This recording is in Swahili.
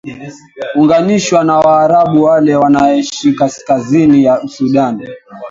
uunganishwa na waarabu wale wanaeishi kaskazini ya sudan